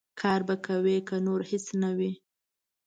کار به کوې، که نور هېڅ نه وي.